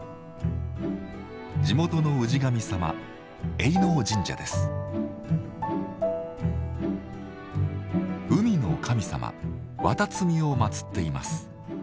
地元の氏神様海の神様海神を祭っています。